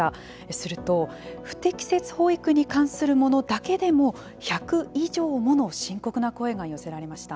すると、不適切保育に関するものだけでも１００以上もの深刻な声が寄せられました。